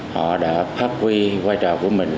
họ đã phát huy vai trò của mình